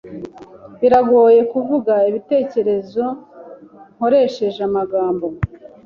Birangoye kuvuga ibitekerezo nkoresheje amagambo.